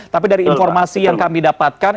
tapi dari informasi yang kami dapatkan